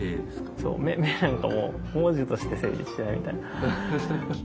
「メ」なんかも文字として成立してないみたいな。